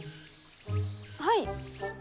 はい？